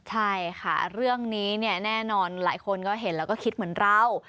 ใช่ค่ะเรื่องนี้เนี่ยแน่นอนหลายคนก็เห็นแล้วก็คิดเหมือนเรา